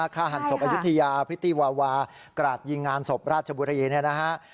ฆ่าหันศพอยุธยาพฤติวาวากราศยิงงานศพราชบุรเยน